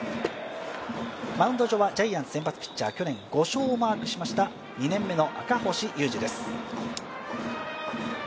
マウンド上はジャイアンツ先発ピッチャー、去年５勝をマークしました２年目の赤星優志です。